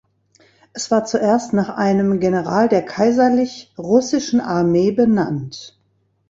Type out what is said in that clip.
Es war zuerst nach einem General der Kaiserlich Russischen Armee benannt.